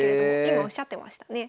今おっしゃってましたね。